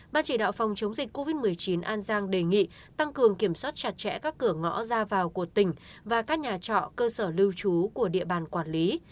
ban chỉ đạo phòng chống dịch covid một mươi chín an giang đề nghị tăng cường kiểm soát chặt chẽ các cửa ngõ ra vào của tỉnh và các nhà trọ cơ sở lưu trú của địa bàn quản lý